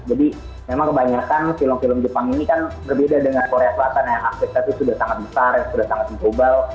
jadi memang kebanyakan film film jepang ini kan berbeda dengan korea selatan yang aksesnya sudah sangat besar sudah sangat dipobal